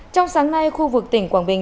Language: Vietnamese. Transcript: trong sáng nay khu vực tỉnh quảng bình